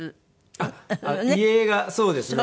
あっ遺影がそうですね。